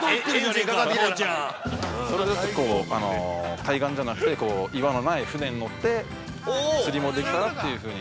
◆それはちょっとこう、海岸じゃなくて、岩のない、船に乗って、釣りもできたらというふうに。